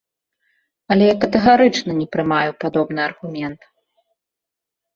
Але я катэгарычна не прымаю падобны аргумент.